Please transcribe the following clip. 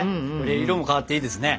色も変わっていいですね。